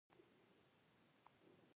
مستو د سترګو په کونجونو کې ور وکتل.